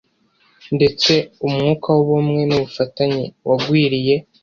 Ndetse umwuka w’ubumwe n’ubufatanye wagwiriye